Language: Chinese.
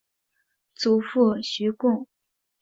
祖父许恭。